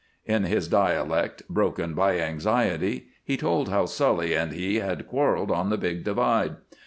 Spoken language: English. In his dialect, broken by anxiety, he told how Sully and he had quarreled on the big divide.